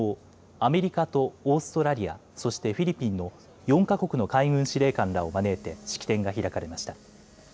アメリカとオーストラリアそしてフィリピンの４か国の海軍司令官らを招いて式典が開かれました。